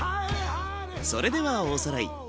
それではおさらい。